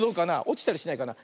おちたりしないかな。